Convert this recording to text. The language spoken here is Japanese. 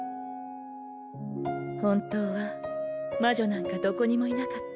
本当は魔女なんかどこにもいなかった。